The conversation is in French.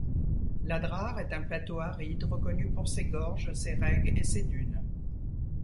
L'Adrar est un plateau aride reconnu pour ses gorges, ses regs et ses dunes.